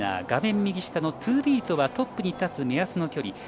画面右下のツービートはトップに立つ目安の距離。